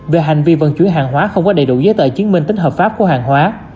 về hành vi vận chuyển hàng hóa không có đầy đủ giấy tờ chứng minh tính hợp pháp của hàng hóa